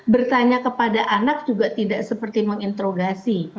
bertanya kepada anak juga tidak seperti menginterogasi